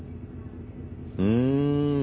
うん。